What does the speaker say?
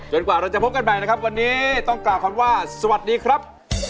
กว่าเราจะพบกันใหม่นะครับวันนี้ต้องกล่าวคำว่าสวัสดีครับ